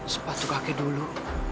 sepatu kakek dulu